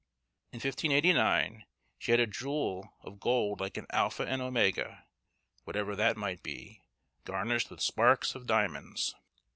In 1589, she had a jewel of gold, like an alpha and omega, whatever that might be, garnished with sparks of diamonds.